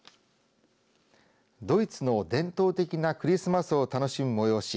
ドイツの伝統的なクリスマスを楽しむ催し